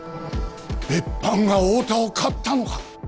別班が太田を買ったのか？